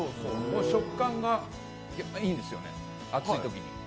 食感がいいんですよね、暑いときに。